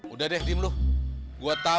udah deh diem lu